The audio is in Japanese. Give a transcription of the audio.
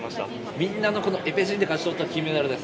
みんなのエペチームで勝ち取った金メダルです。